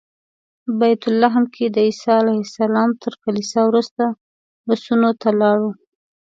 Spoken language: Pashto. بیت لحم کې د عیسی علیه السلام تر کلیسا وروسته بسونو ته لاړو.